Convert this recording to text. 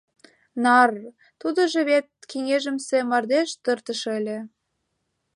Нарр! Тудыжо вет кеҥежымсе мардеж-тыртыш ыле!